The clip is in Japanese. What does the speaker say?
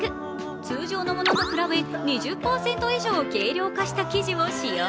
通常のものと比べ２０％以上軽量化した生地を使用。